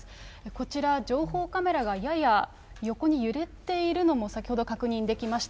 こちら、情報カメラがやや横に揺れているのも先ほど確認できました。